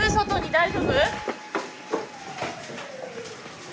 大丈夫？